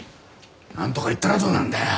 なんとか言ったらどうなんだよ！